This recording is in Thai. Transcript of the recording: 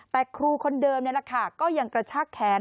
แต่ครูคนเดิมนี่แหละค่ะก็ยังกระชากแขน